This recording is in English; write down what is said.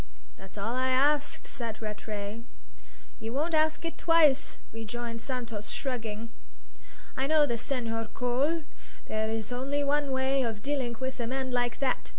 "That's all I ask," said Rattray. "You won't ask it twice," rejoined Santos, shrugging. "I know this Senhor Cole. There is only one way of dilling with a man like that.